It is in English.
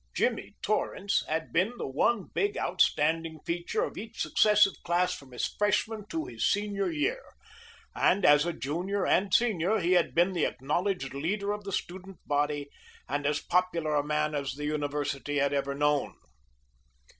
Jimmy Torrance had been the one big outstanding feature of each succeeding class from his freshman to his senior year, and as a junior and senior he had been the acknowledged leader of the student body and as popular a man as the university had ever known.